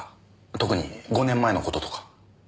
特に５年前の事とか。